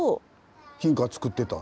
金貨つくってた。